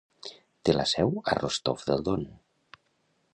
Té la seu a Rostov del Don.